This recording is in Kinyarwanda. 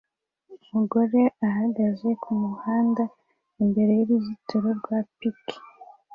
Umugore ahagaze kumuhanda imbere y'uruzitiro rwa pike